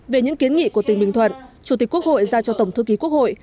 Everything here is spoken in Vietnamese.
về những kiến nghị của tỉnh bình thuận chủ tịch quốc hội giao cho tổng thư ký quốc hội